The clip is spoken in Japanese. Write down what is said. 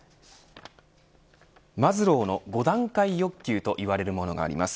マズローの５段階欲求といわれるものがあります。